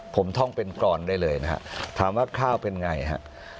ผมท่องเป็นกรอนได้เลยนะฮะถามว่าข้าวเป็นไงฮะ